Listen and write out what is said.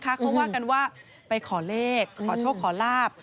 เขาว่ากันว่าไปขอเลขขอโชคขอลาบ